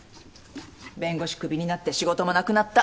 弁護士クビになって仕事もなくなった。